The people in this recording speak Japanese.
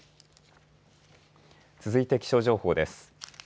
続いて気象情報です。